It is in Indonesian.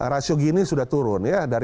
rasio gini sudah turun ya